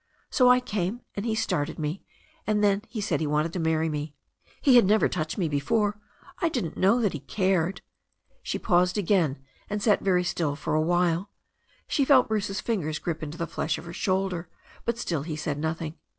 So I came, and he started me, and then he said he wanted to marry me — ^he 338 THE STORY OF A NEW ZEALAND RIVER had never touched me before — ^I didn't know that he cared ^" She paused again^ and sat very still for a while. She felt Bruce's fingers grip into the flesh of her shoulder, but still he said nothing.